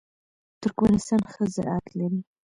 ترکمنستان ښه زراعت لري.